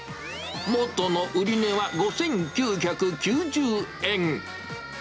もとの売り値は５９９０円。